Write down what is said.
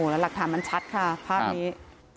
แล้วหลักฐานมันชัดค่ะภาพนี้